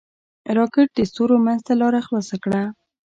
راکټ د ستورو منځ ته لاره خلاصه کړه